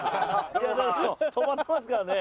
泊まってますからね。